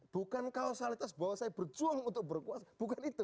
bukan kausalitas bahwa saya berjuang untuk berkuasa bukan itu